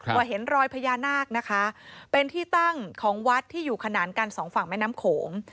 ว่าเห็นรอยพญานาคนะคะเป็นที่ตั้งของวัดที่อยู่ขนานกันสองฝั่งแม่น้ำโขง